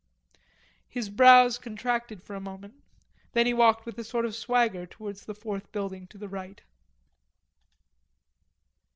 His brows contracted for a moment. Then he walked with a sort of swagger towards the fourth building to the right.